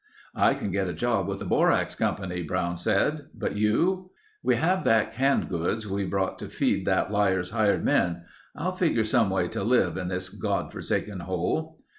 "I can get a job with the Borax Company," Brown said. "But you?" "We have that canned goods we brought to feed that liar's hired men. I'll figure some way to live in this God forsaken hole."